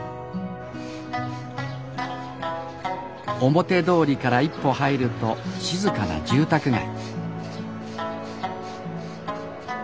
表通りから一歩入ると静かな住宅街。